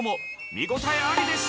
見応えありです！